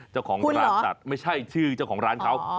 เจ้าของร้านตัดไม่ใช่ชื่อเจ้าของร้านเขา